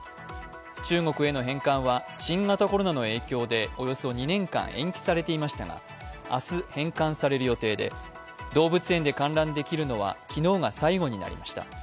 中国への返還は新型コロナの影響でおよそ２年間延期されていましたが明日、返還される予定で動物園で観覧できるのは昨日が最後になりました。